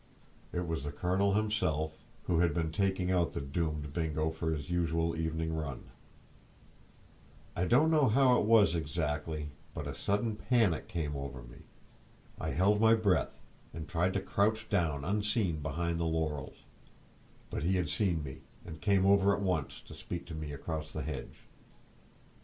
It was the colonel himself, who had been taking out the doomed Bingo for his usual evening run. I don't know how it was, exactly, but a sudden panic came over me. I held my breath, and tried to crouch down unseen behind the laurels; but he had seen me, and came over at once to speak to me across the hedge.